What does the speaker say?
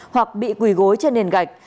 hoặc bị quỳ gối trên nền gạch